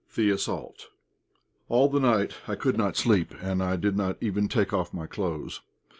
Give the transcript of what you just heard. THE ASSAULT. All the night I could not sleep, and I did not even take off my clothes.